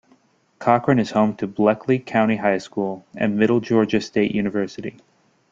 Cochran is home to Bleckley County High School and Middle Georgia State University.